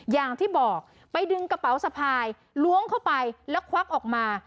อย่างที่บอกไปดึงกระเป๋าสะพายล้วงเข้าไปแล้วควักออกมา